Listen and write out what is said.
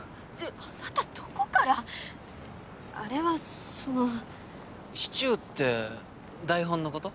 あなたどこからあれはそのシチューって台本のこと？